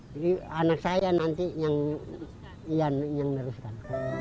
jadi anak saya nanti yang neruskan